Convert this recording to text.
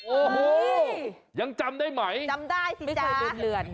โอ้โหยังจำได้ไหมจำได้สิจ๊ะไม่ค่อยเตือนเหลือน